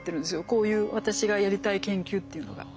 こういう私がやりたい研究っていうのが。